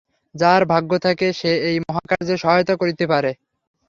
যাহার ভাগ্যে থাকে, সে এই মহাকার্যে সহায়তা করিতে পারে।